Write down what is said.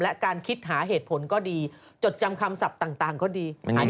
และการคิดหาเหตุผลก็ดีจดจำคำศัพท์ต่างก็ดี